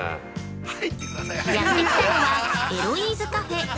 ◆やってきたのは「エロイーズカフェ」。